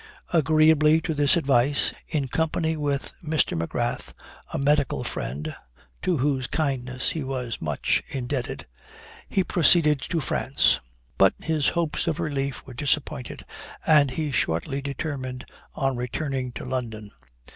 Agreeably to this advice, in company with Mr. M'Grath, a medical friend, to whose kindness he was much indebted, he proceeded to France; but his hopes of relief were disappointed, and he shortly determined on returning to London.